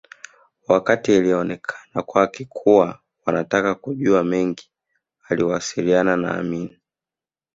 Wakati ilionekana kwake kuwa wanataka kujua mengi aliwasiliana na Amin